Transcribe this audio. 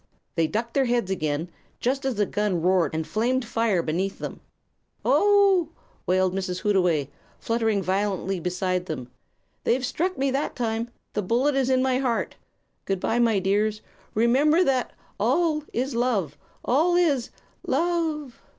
They ducked their heads again, just as the gun roared and flamed fire beneath them. "Oh h h!" wailed Mrs. Hootaway, fluttering violently beside them. "They struck me that time the bullet is in my heart. Good bye, my dears. Remember that all is love; all is love!"